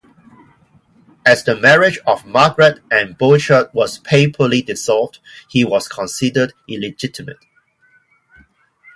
As the marriage of Margaret and Bouchard was papally dissolved, he was considered illegitimate.